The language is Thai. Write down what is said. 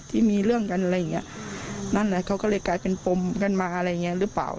ที่มีเรื่องกันอะไรอย่างเงี้ยนั่นแหละเขาก็เลยกลายเป็นปมกันมาอะไรอย่างเงี้ยหรือเปล่า